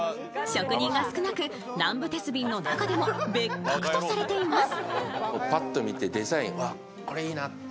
職人が少なく、南部鉄瓶の中でも別格とされています。